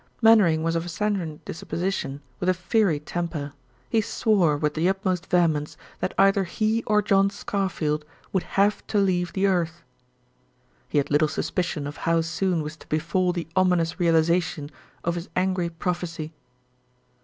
Mainwaring was of a sanguine disposition, with fiery temper. He swore, with the utmost vehemence, that either he or John Scarfield would have to leave the earth. He had little suspicion of how soon was to befall the ominous realization of his angry prophecy.